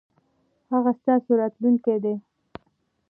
هغه ستاسو راتلونکی دی.